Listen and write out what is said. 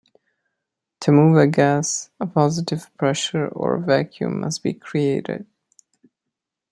To move a gas, a positive pressure or a vacuum must be created.